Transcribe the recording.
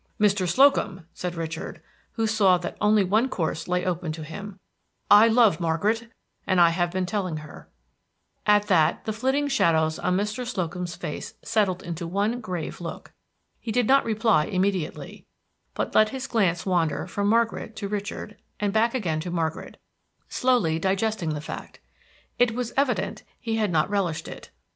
"Mr. Slocum," said Richard, who saw that only one course lay open to him, "I love Margaret, and I have been telling her." At that the flitting shadows on Mr. Slocum's face settled into one grave look. He did not reply immediately, but let his glance wander from Margaret to Richard, and back again to Margaret, slowly digesting the fact. It was evident he had not relished it.